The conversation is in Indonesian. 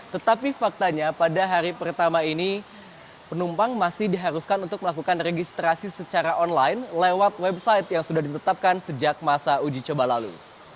tetapi faktanya pada hari pertama ini penumpang masih diharuskan untuk melakukan registrasi secara online lewat website yang sudah ditetapkan sejak masa uji coba lalu